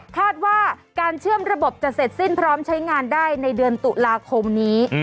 คาดว่าการเชื่อมระบบจะเสร็จสิ้นพร้อมใช้งานได้ในเดือนตุลาคมนี้